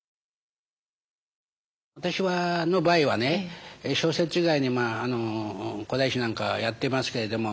私の場合はね小説以外に古代史なんかやってますけれども。